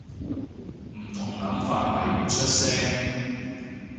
唔同諗法咪唔出聲